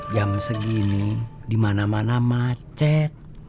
jam segini dimana mana macet